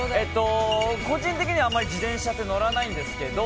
個人的にはあまり自転車って乗らないんですけど。